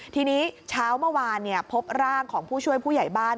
ทีนี้เช้าเมื่อวานพบร่างของผู้ช่วยผู้ใหญ่บ้าน